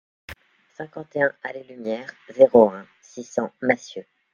cinquante et un allée Lumière, zéro un, six cents Massieux